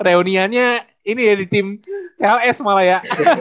reunionnya ini ya di tim cls malah ya